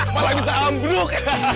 malah bisa ambruk